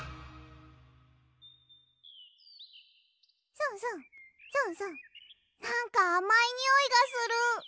スンスンスンスンなんかあまいにおいがする。